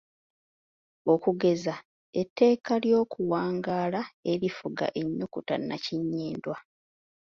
Okugeza etteeka ly’okuwangaala erifuga ennyukuta nnakinnyindwa.